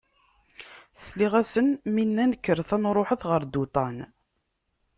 Sliɣ-asen mi nnan: Kkret aad nṛuḥet ɣer Duṭan.